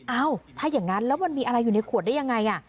เอ้าถ้าอย่างนั้นแล้วมันมีอะไรอยู่ในขวดได้ยังไง